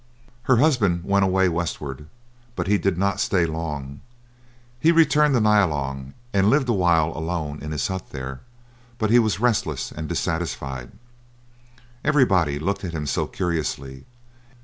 Her husband went away westward, but he did not stay long. He returned to Nyalong and lived awhile alone in his hut there, but he was restless and dissatisfied. Everybody looked at him so curiously.